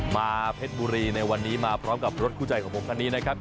เพชรบุรีในวันนี้มาพร้อมกับรถคู่ใจของผมคันนี้นะครับ